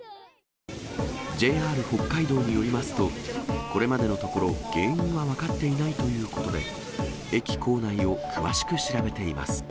ＪＲ北海道によりますと、これまでのところ、原因は分かっていないということで、駅構内を詳しく調べています。